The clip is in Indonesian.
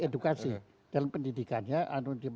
edukasi dalam pendidikan